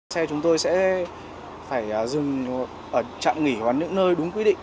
xe chúng tôi sẽ phải dừng ở trạm nghỉ hoặc những nơi đúng quy định